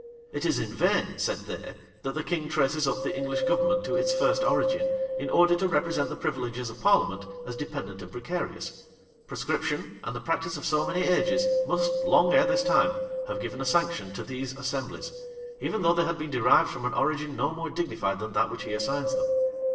It is in vain, said they, that the king traces up the English government to its first origin, in order to represent the privileges of parliament as dependent and precarious: prescription, and the practice of so many ages, must, long ere this time, have given a sanction to these assemblies, even though they had been derived from an origin no more dignified than that which he assigns them.